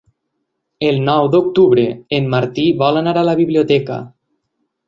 El nou d'octubre en Martí vol anar a la biblioteca.